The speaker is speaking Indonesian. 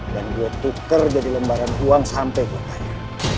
dan gue tuker jadi lembaran uang sampai gue payah